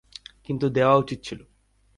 কিন্তু দেয়া উচিৎ ছিল।